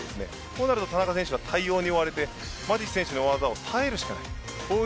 そうなると田中選手は対応に追われ、マティッチ選手の技を耐えるしかありません。